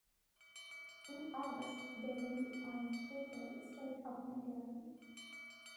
In August they went on to the Strait of Magellan.